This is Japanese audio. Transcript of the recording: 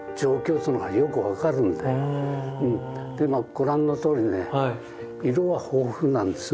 ご覧のとおりね色は豊富なんですね。